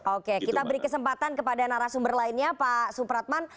oke kita beri kesempatan kepada narasumber lainnya pak supratman